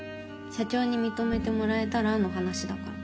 社長に認めてもらえたらの話だから。